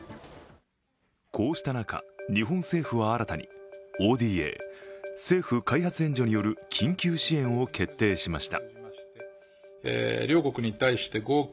こうした中、日本政府は新たにＯＤＡ＝政府開発援助による緊急支援を決定しました。